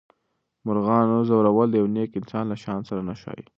د مرغانو ځورول د یو نېک انسان له شان سره نه ښایي.